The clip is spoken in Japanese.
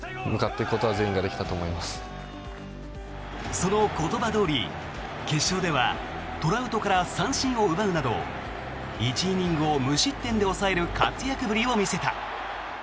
その言葉どおり、決勝ではトラウトから三振を奪うなど１イニングを無失点で抑える活躍ぶりを見せた。